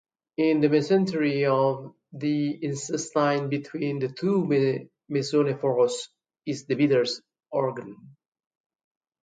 In the mesentery of the intestine between the two mesonephros is the Bidder's organ.